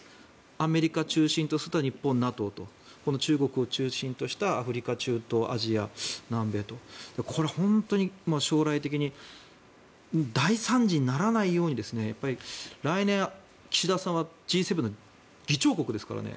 アメリカを中心とした日本、ＮＡＴＯとこの中国を中心としたアフリカ、中東、アジア、南米とこれは本当に将来的に大惨事にならないように来年、岸田さんはＧ７の議長国ですからね。